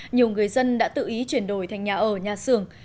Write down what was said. nhiều người dân đã tự ý chuyển đổi thành nhà ở nhà xưởng